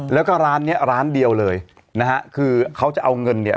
แล้วก็ร้านเนี้ยร้านเดียวเลยนะฮะคือเขาจะเอาเงินเนี่ย